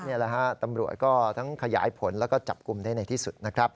นี่แหละฮะตำรวจก็ทั้งขยายผลแล้วก็จับกลุ่มได้ในที่สุดนะครับ